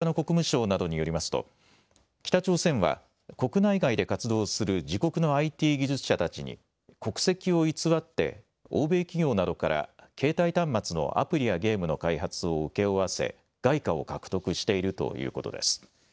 アメリカの国務省などによりますと北朝鮮は国内外で活動する自国のＩＴ技術者たちに国籍を偽って欧米企業などから携帯端末のアプリやゲームの開発を請け負わせ外貨を獲得しているということです。